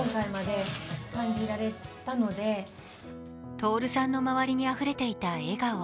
徹さんの周りにあふれていた笑顔。